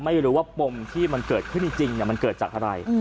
ไม่รู้ว่าปมที่มันเกิดขึ้นจริงมันเกิดจากอะไร